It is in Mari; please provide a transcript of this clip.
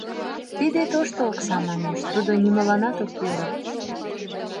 Тиде тошто коса, манеш, тудо нимоланат ок йӧрӧ.